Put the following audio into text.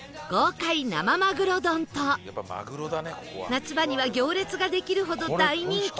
夏場には行列ができるほど大人気